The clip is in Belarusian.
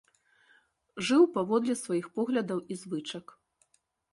Жыў паводле сваіх поглядаў і звычак.